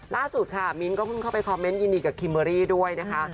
ล่าสุดค่ะมีนก็พึ่งเข้าไปคอมเม้นยินดีกับขิมบอรี่ด้วยนะคะ